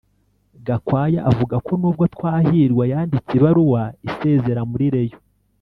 Gakwaya avuga ko nubwo Twahirwa yanditse ibaruwa isezera muri Rayon